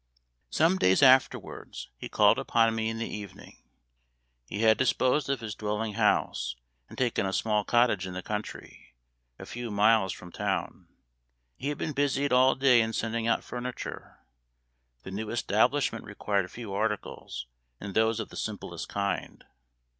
Some days afterwards, he called upon me in the evening. He had disposed of his dwelling house, and taken a small cottage in the country, a few miles from town. He had been busied all day in sending out furniture. The new establishment required few articles, and those of the simplest kind.